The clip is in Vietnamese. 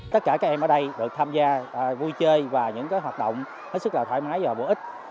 tất cả các em ở đây được tham gia vui chơi và những hoạt động hết sức là thoải mái và bổ ích